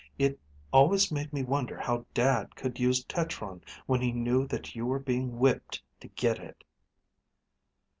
It always made me wonder how Dad could use tetron when he knew that you were being whipped to get it."